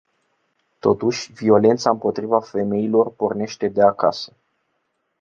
Totuși, violența împotriva femeilor pornește de acasă.